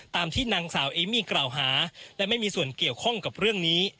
ตามที่นางสาวเอมี่กล่าวหาและไม่มีส่วนเกี่ยวข้องกับเรื่องนี้